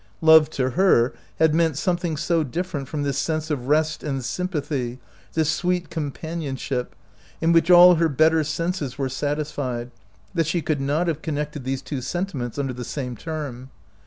Love to her had meant something so different from this sense of rest and sympathy, this sweet companion ship, in which all her better senses were sat isfied, that she could not have connected these two sentiments under the same term.